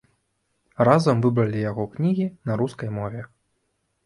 Разам выбралі яго кнігі на рускай мове.